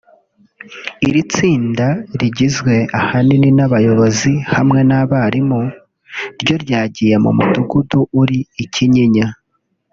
Irindi tsinda rigizwe ahanini n’abayobozi hamwe n’abarimu ryo ryagiye mu mudugudu uri i Kinyinya